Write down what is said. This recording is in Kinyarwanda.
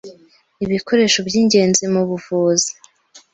ibikoresho by'ingenzi mu buvuzi.